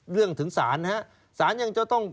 เรื่องถึงศาลฮะศาลยังจะต้อง